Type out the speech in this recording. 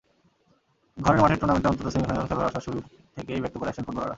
ঘরের মাঠের টুর্নামেন্টে অন্তত সেমিফাইনাল খেলার আশা শুরু থেকেই ব্যক্ত করে আসছেন ফুটবলাররা।